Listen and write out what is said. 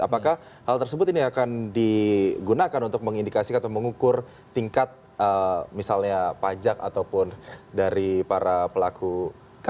apakah hal tersebut ini akan digunakan untuk mengindikasikan atau mengukur tingkat misalnya pajak ataupun dari para pelaku usaha